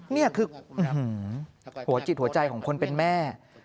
นี่คือหัวจิตหัวใจของคนเป็นแม่